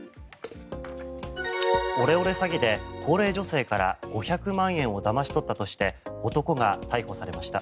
オレオレ詐欺で高齢女性から５００万円をだまし取ったとして男が逮捕されました。